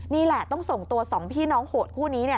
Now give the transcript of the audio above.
นี่แหละต้องส่งตัว๒พี่น้องโหดคู่นี้